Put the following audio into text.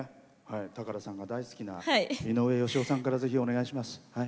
高良さんが大好きな井上芳雄さんから、ぜひお願いします。